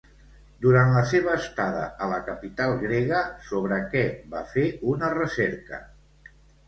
Durant la seva estada a la capital grega, sobre què va fer una recerca?